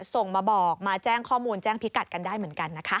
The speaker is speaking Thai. ส่งมาบอกมาแจ้งข้อมูลแจ้งพิกัดกันได้เหมือนกันนะคะ